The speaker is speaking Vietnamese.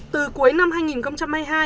từ cuối năm hai nghìn hai mươi hai